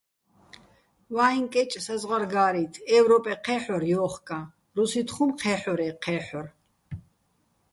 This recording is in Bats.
ვაჲჼ კეჭ საზღვარგა́რი́თ, ე́ვროპე ჴე́ჰ̦ორ ჲოხკაჼ, რუსი́თ ხუმ ჴე́ჰ̦ორე́ ჴე́ჰ̦ორ.